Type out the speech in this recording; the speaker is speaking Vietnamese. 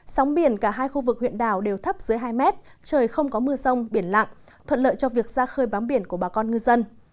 sóng biển cả hai khu vực huyện đảo đều thấp dưới hai mét trời không có mưa sông biển lặng thuận lợi cho việc ra khơi bám biển của bà con ngư dân